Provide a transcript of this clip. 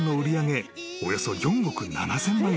およそ４億７，０００万円］